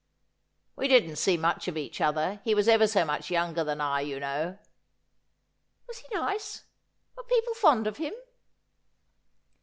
' We didn't see much of each other. He was ever so much younger than I, you know.' ' Was he nice ? Were people fond of him